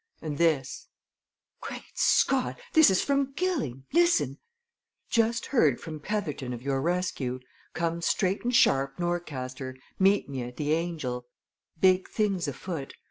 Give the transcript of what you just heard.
And this Great Scott! This is from Gilling! Listen! 'Just heard from Petherton of your rescue. Come straight and sharp Norcaster. Meet me at the "Angel." Big things afoot.